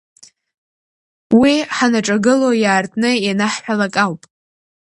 Уи ҳанаҿагыло иаартны ианаҳҳәалак ауп.